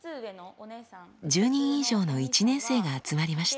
１０人以上の１年生が集まりました。